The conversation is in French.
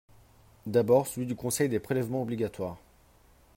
D’abord, celui du Conseil des prélèvements obligatoires.